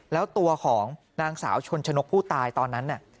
แล้วตัวของนางสาวชนชนกผู้ตายตอนนั้นน่ะ